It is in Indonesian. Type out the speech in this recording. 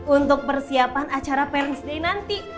untuk persiapan acara pales day nanti